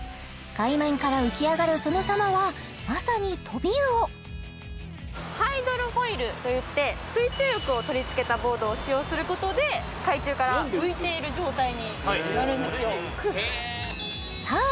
海面から浮き上がるそのさまはまさにトビウオ水中翼を取り付けたボードを使用することで海中から浮いている状態になるんですよさあ